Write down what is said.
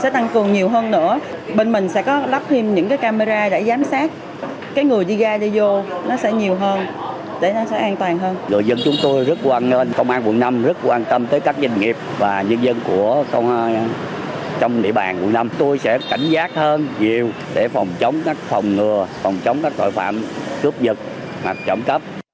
tôi sẽ cảnh giác hơn nhiều để phòng chống các phòng ngừa phòng chống các tội phạm cướp dật hoặc chống cắp